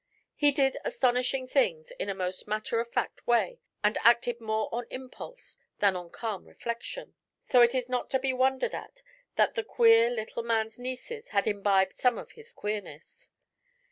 He did astonishing things in a most matter of fact way and acted more on impulse than on calm reflection; so it is not to be wondered at that the queer little man's nieces had imbibed some of his queerness.